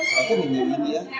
nó rất là nhiều ý nghĩa